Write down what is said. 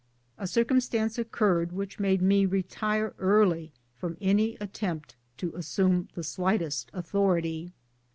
A circumstance occurred which made me retire early from any attempt to assume the slightest authority.